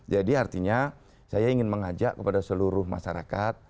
jadi artinya saya ingin mengajak kepada seluruh masyarakat